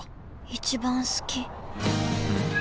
一番好き